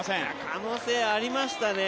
可能性ありましたね。